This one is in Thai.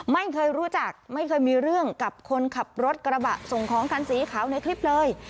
ไม่เคยรู้จักไม่เคยมีเรื่องกับคนขับรถกระบะส่งของคันสีขาวในคลิปเลย